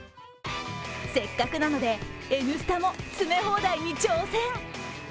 せっかくなので、「Ｎスタ」も詰め放題に挑戦。